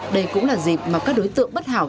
đây cũng là dịp mà các đối tượng bất hảo